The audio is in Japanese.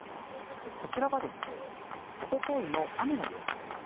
こちらはおとといの雨の様子なんです。